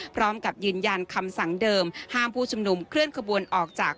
พร้อมกับยืนยันคำสั่งเดิมห้ามผู้ชุมนุมเคลื่อนขบวนออกจาก